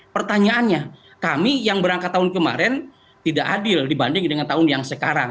pertanyaannya kami yang berangkat tahun kemarin tidak adil dibanding dengan tahun yang sekarang